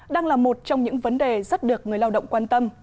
đang là một trong những vấn đề rất được người lao động quan tâm